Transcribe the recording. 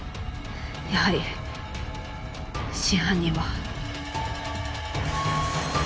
やはり真犯人は。